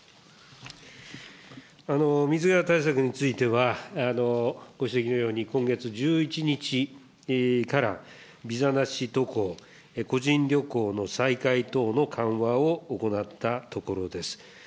水際対策については、ご指摘のように、今月１１日からビザなし渡航、個人旅行の再開等の緩和を行ったところです。